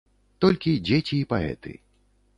Толькі дзеці і паэты.